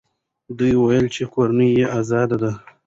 ده وویل چې کورنۍ یې ازاده ده.